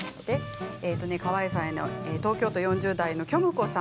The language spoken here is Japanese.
東京都４０代の方。